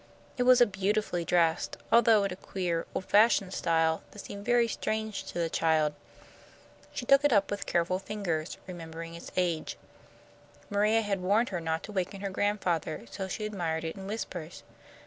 It was beautifully dressed, although in a queer, old fashioned style that seemed very strange to the child. She took it up with careful fingers, remembering its great age. Maria had warned her not to waken her grandfather, so she admired it in whispers.